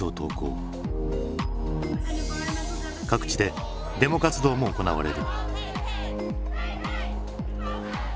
各地でデモ活動も行われる。